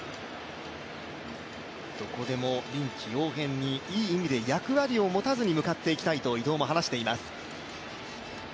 どこでも臨機応変にいい意味で役割を持たずに向かっていきたいと伊藤も話しています。